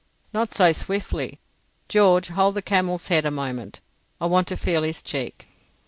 "Not so swiftly. George, hold the camel's head a moment. I want to feel his cheek."